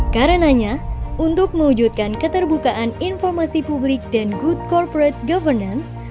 karenanya untuk mewujudkan keterbukaan informasi publik dan good corporate governance